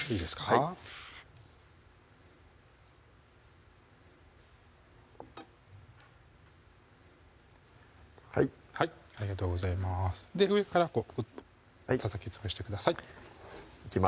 はいはいはいありがとうございます上からこうぐっとたたきつぶしてくださいいきます